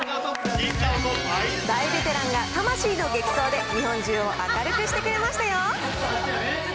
大ベテランが魂の激走で日本中を明るくしてくれましたよ。